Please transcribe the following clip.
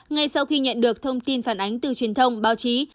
ngay sau khi nhận được thông tin phản ánh từ truyền thông báo chí